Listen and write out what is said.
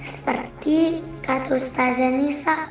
seperti kata ustazah nisa